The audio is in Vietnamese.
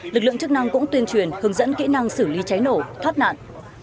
lực lượng chức năng cũng tuyên truyền hướng dẫn kỹ năng xử lý cháy nổ thoát nạn